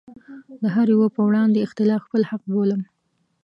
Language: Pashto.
د هره يوه په وړاندې اختلاف خپل حق بولم.